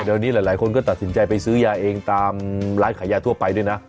เดี๋ยวนี้หลายคนก็ตัดสินใจไปซื้อยาเองตามร้านขายยาทั่วไปด้วยนะ